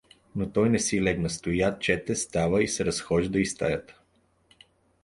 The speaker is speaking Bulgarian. Но той не си легна: стоя, чете, става и се разхожда из стаята.